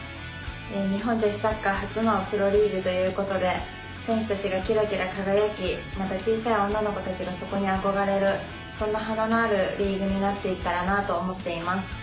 日本女子サッカー初のプロリーグということで選手たちがキラキラ輝きまた小さい女の子たちがそこに憧れるそんな華のあるリーグになって行ったらなと思っています。